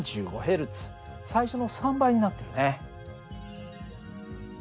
最初の３倍になってるね。